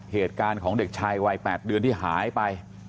เหตุการณ์ของเด็กชายวัย๘เดือนที่หายไป